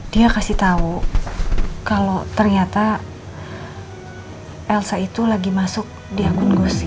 dia kasih tahu kalau ternyata elsa itu lagi masuk di akun gus